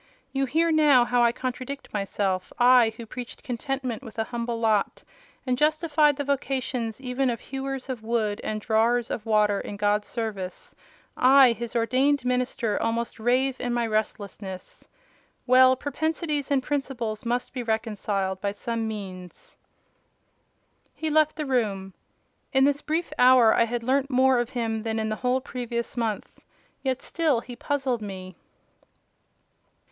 You hear now how I contradict myself. I, who preached contentment with a humble lot, and justified the vocation even of hewers of wood and drawers of water in God's service—I, His ordained minister, almost rave in my restlessness. Well, propensities and principles must be reconciled by some means." He left the room. In this brief hour I had learnt more of him than in the whole previous month: yet still he puzzled me.